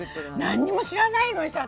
何にも知らないのにさ